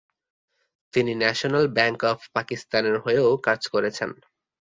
তিনি national bank of পাকিস্তানের হয়েও কাজ করেছেন।